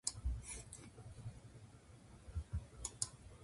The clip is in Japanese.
花より団子より金